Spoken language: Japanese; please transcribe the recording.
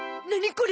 これ。